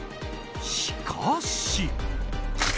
しかし。